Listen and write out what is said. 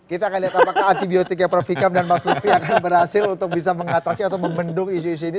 kita akan lihat apakah antibiotiknya prof vikam dan mas lutfi akan berhasil untuk bisa mengatasi atau membendung isu isu ini